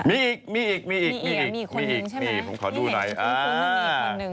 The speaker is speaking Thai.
มีอีกมีอีกมีอีกลุง่าอีก๑นึง